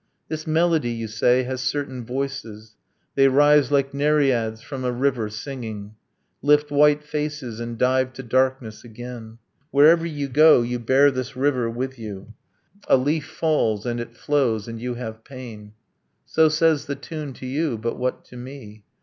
This melody, you say, has certain voices They rise like nereids from a river, singing, Lift white faces, and dive to darkness again. Wherever you go you bear this river with you: A leaf falls, and it flows, and you have pain. So says the tune to you but what to me?